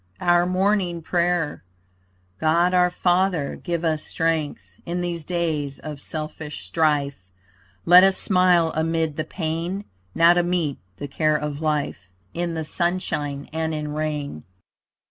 OUR MORNING PRAYER God our Father give us strength In these days of selfish strife, Let us smile amid the pain, Now to meet the care of life In the sunshine and in rain.